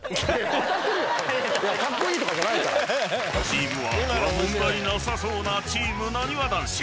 ［チームワークは問題なさそうなチームなにわ男子］